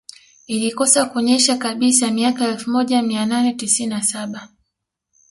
Ilikosa kunyesha kabisa miaka ya elfu moja mia nane tisini na saba